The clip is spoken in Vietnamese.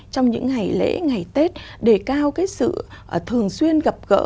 trong những ngày lễ ngày tết đề cao cái sự thường xuyên gặp gỡ